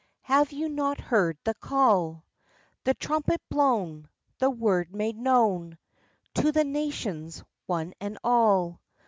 Have you not heard the call, The trumpet blown, the word made known To the nations, one and all?